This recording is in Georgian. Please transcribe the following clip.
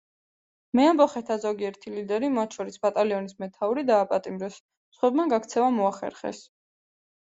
მეამბოხეთა ზოგიერთ ლიდერი, მათ შორის ბატალიონის მეთაური, დააპატიმრეს; სხვებმა გაქცევა მოახერხეს.